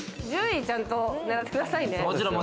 １０位ちゃんとねらってくださいね。